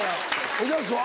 おじゃすは？